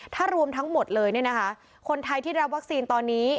ถ้ารวมทั้งหมดเลยเนี่ยนะคะคนไทยที่รับวัคซีนตอนนี้